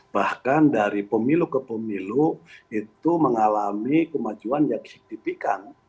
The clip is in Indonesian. bahkan dari pemilu ke pemilu itu mengalami kemajuan yang signifikan